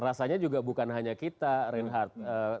rasanya juga bukan hanya kita reinhardt